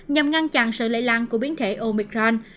nhằm ngăn chặn sự lây lan của biến thể omicron